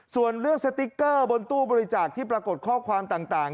ส่วนเรื่องสติ๊กเกอร์บนตู้บริจาคที่ปรากฏข้อความต่าง